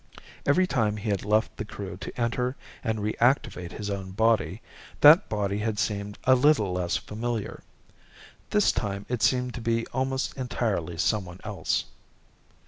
Every time he had left the Crew to enter and reactivate his own body, that body had seemed a little less familiar. This time it seemed to be almost entirely someone else.